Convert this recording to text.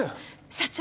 社長！